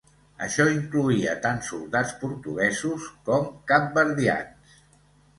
Això incloïa tant soldats portuguesos com capverdians.